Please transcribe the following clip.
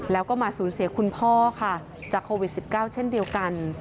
แล้วก็มาสูญเสียคุณพ่อค่ะจากโควิด๑๙เช่นเดียวกัน